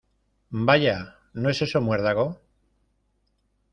Vaya, ¿ no es eso muérdago?